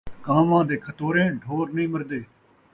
کان٘واں دے کھتوریں ڈھور نئیں مردے